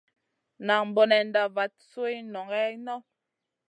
Nan bonenda vat sui nʼongue Noy.